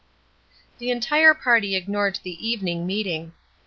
The entire party ignored the evening meeting.